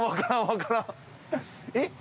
えっ？